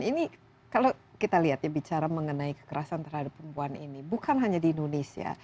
ini kalau kita lihat ya bicara mengenai kekerasan terhadap perempuan ini bukan hanya di indonesia